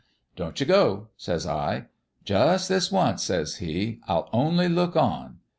"' Don't you go,' says I. "' Jus' this once,' says he. * I'll only look on.'